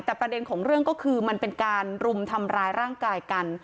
แต่ประเด็นของเรื่องก็คือมันเป็นการรุมทำร้ายร่างกายกัน